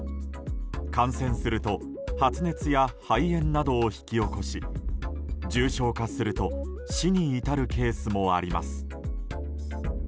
感染すると発熱や肺炎などを引き起こし重症化すると死に至るケースもあります。